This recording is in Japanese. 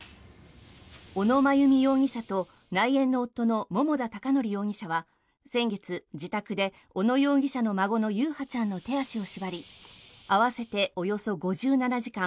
小野真由美容疑者と内縁の夫の桃田貴徳容疑者は先月、自宅で小野容疑者の孫の優陽ちゃんの手足を縛り合わせておよそ５７時間